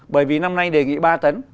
bởi vì năm nay đề nghị ba tấn